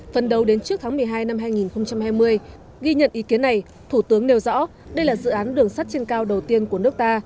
phần đầu đến trước tháng một mươi hai năm hai nghìn hai mươi ghi nhận ý kiến này thủ tướng nêu rõ đây là dự án đường sắt trên cao đầu tiên của nước ta